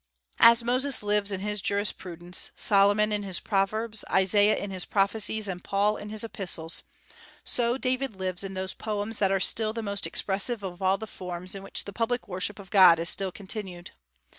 As Moses lives in his jurisprudence, Solomon in his proverbs, Isaiah in his prophecies, and Paul in his epistles, so David lives in those poems that are still the most expressive of all the forms in which the public worship of God is still continued.